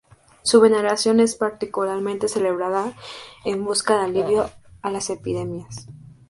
Su veneración es particularmente celebrada en busca de alivio a las epidemias.